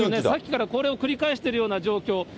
さっきからこれを繰り返してるような状況。